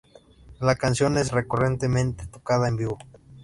La canción es recurrentemente tocada en vivo.